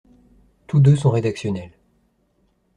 Tous deux sont rédactionnels.